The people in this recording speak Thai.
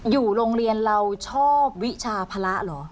อยู่โรงเรียนเราชอบวิชาภาระเหรอ